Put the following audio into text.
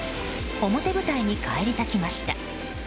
表舞台に返り咲きました。